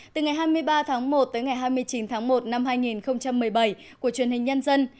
từ ngày hai mươi ba tháng một tới ngày hai mươi chín tháng một năm hai nghìn một mươi bảy của truyền hình nhân dân